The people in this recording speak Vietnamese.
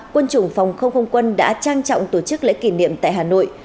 quân chủng phòng không không quân đã trang trọng tổ chức lễ kỷ niệm tại hà nội